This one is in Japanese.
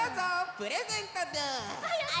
プレゼントです。